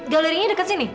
galerinya dekat sini